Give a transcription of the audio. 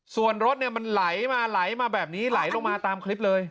ส่วนรถมันไหลมาไหลมาแบบนี้ไหลลงมาตามคลิปเลย